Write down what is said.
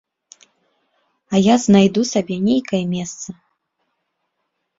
А я знайду сабе нейкае месца.